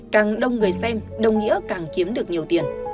càng đông người xem đồng nghĩa càng kiếm được nhiều tiền